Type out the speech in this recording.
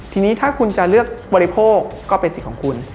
ทีนี้ถ้าคุณจะเลือกบริโภคก็เป็นสิทธิ์ของคุณ